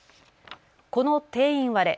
この定員割れ。